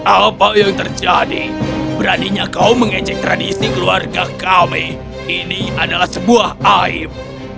apa yang terjadi beraninya kau mengecek tradisi keluarga kami ini adalah sebuah aib